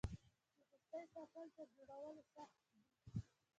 د دوستۍ ساتل تر جوړولو سخت دي.